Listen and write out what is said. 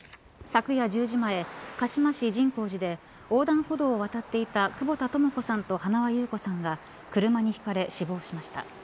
昨夜１０時前鹿嶋市神向寺で横断歩道を渡っていた久保田朋子さんと塙優子さんが車にひかれ、死亡しました。